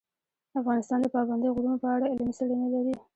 افغانستان د پابندی غرونه په اړه علمي څېړنې لري.